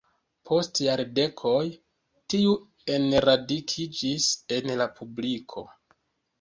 Post jardekoj tiu enradikiĝis en la publiko.